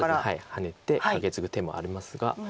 ハネてカケツグ手もありますが。